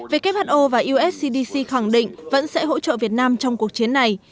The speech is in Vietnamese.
who và us cdc khẳng định vẫn sẽ hỗ trợ việt nam trong cuộc chiến này